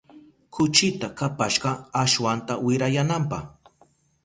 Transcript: Kuchita kapashka ashwanta wirayananpa.